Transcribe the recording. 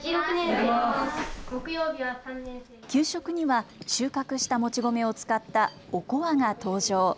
給食には収穫したもち米を使ったおこわが登場。